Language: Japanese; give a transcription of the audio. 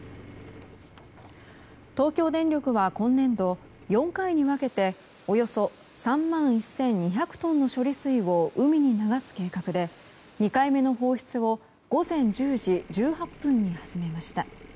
東京電力は今年度４回に分けておよそ３万１２００トンの処理水を海に流す計画で、２回目の放出を午前１０時１８分に始めました。